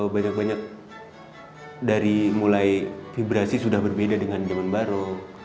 banyak banyak dari mulai vibrasi sudah berbeda dengan zaman baru